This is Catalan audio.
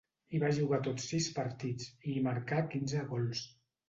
Hi va jugar tots sis partits, i hi marcà quinze gols.